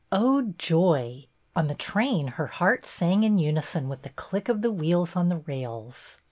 Oh, joy I On the train her heart sang in unison with the click of the wheels on the rails.